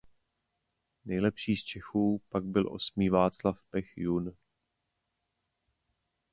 Nejlepší z Čechů pak byl osmý Václav Pech jun.